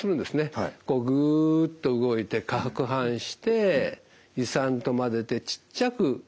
こうぐっと動いてかくはんして胃酸と混ぜてちっちゃく